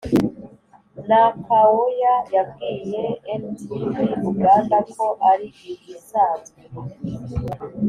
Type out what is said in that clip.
nakawooya yabwiye ntv uganda ko ari ibisanzwe